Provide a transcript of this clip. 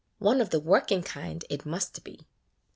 One of the working kind it must be.